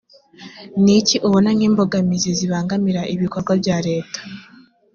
ni iki ubona nk imbogamizi zibangamira ibikorwa bya leta